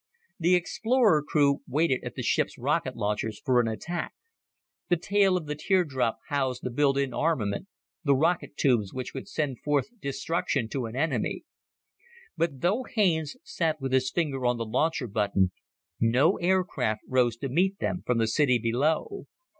The explorer crew waited at the ship's rocket launchers for an attack. The tail of the teardrop housed the built in armament the rocket tubes which could send forth destruction to an enemy. But though Haines sat with his finger on the launcher button, no aircraft rose to meet them from the city below.